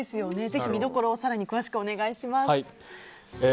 ぜひ見どころを詳しくお願いします。